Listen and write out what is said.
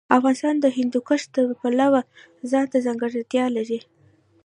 افغانستان د هندوکش د پلوه ځانته ځانګړتیا لري.